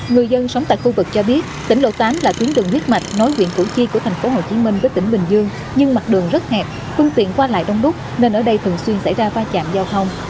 người dân sống tại khu vực cho biết tỉnh lộ tám là tuyến đường huyết mạch nối huyện củ chi của tp hcm với tỉnh bình dương nhưng mặt đường rất hẹp phương tiện qua lại đông đúc nên ở đây thường xuyên xảy ra va chạm giao thông